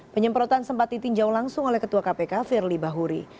penyemprotan sempat ditinjau langsung oleh ketua kpk firly bahuri